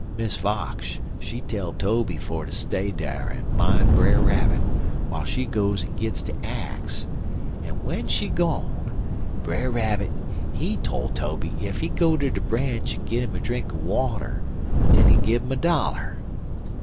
Miss Fox, she tell Tobe fer ter stay dar en mine Brer Rabbit, w'ile she goes en git de ax, en w'en she gone, Brer Rabbit, he tole Tobe ef he go ter de branch en git 'im a drink er water dat he'll gin 'im a dollar.